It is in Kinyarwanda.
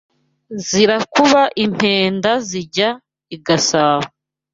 Zirakuba impenda zijya i Gasabo